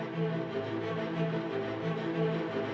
dan ventilasi di bunga tak boleh di